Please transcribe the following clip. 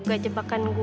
berhasil juga jebakan gue